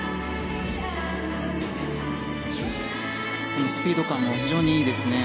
このスピード感も非常にいいですね。